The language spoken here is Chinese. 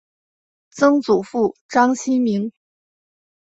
曾祖父章希明。